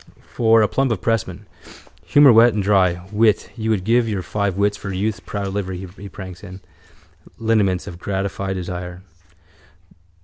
For a plump of pressmen. Humour wet and dry. Wit. You would give your five wits for youth's proud livery he pranks in. Lineaments of gratified desire.